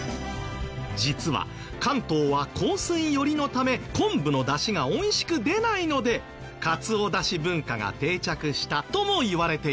実は関東は硬水寄りのため昆布の出汁が美味しく出ないのでカツオ出汁文化が定着したともいわれているんです。